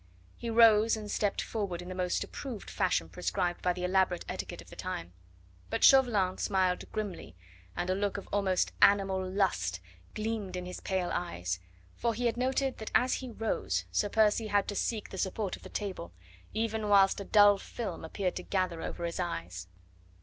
He rose and stepped forward in the most approved fashion prescribed by the elaborate etiquette of the time. But Chauvelin smiled grimly and a look of almost animal lust gleamed in his pale eyes, for he had noted that as he rose Sir Percy had to seek the support of the table, even whilst a dull film appeared to gather over his eyes.